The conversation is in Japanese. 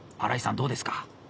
どうですか？